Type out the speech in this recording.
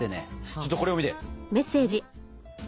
ちょっとこれを見て。